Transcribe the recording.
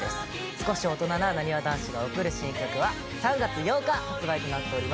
少し大人ななにわ男子が贈る新曲は３月８日発売となっております。